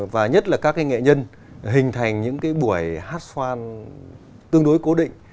và nhất là các nghệ nhân hình thành những cái buổi hát xoan tương đối cố định